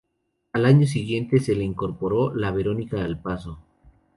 Al año siguiente se le incorporó la Verónica al paso.